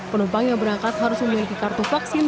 penumpang yang berangkat harus memiliki kartu vaksin